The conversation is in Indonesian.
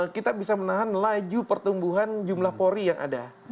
kita bisa menahan laju pertumbuhan jumlah pori yang ada